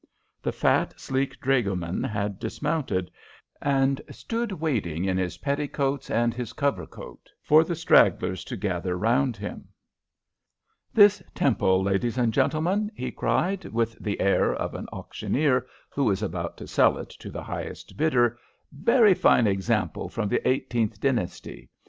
The fat, sleek dragoman had dismounted, and stood waiting in his petticoats and his cover coat for the stragglers to gather round him. [Illustration: He pointed up with his donkey whip p66] "This temple, ladies and gentlemen," he cried, with the air of an auctioneer who is about to sell it to the highest bidder, "very fine example from the eighteenth dynasty.